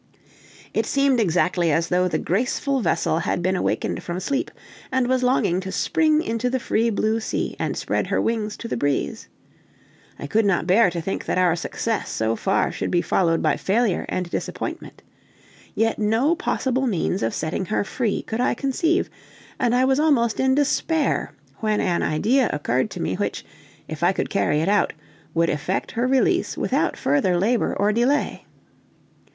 It seemed exactly as though the graceful vessel had awakened from sleep, and was longing to spring into the free blue sea, and spread her wings to the breeze. I could not bear to think that our success so far should be followed by failure and disappointment. Yet no possible means of setting her free could I conceive, and I was almost in despair, when an idea occurred to me which, if I could carry it out, would effect her release without further labor or delay.